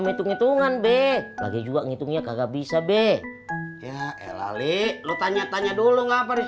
hai ngeitungan b lagi juga ngitungnya kagak bisa b yah lali lu tanya tanya dulu ngapa di